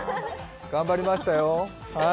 頑張りましたよ。